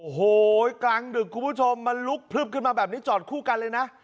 โอ้โหกลางดึกคุณผู้ชมมันลุกพลึบขึ้นมาแบบนี้จอดคู่กันเลยนะ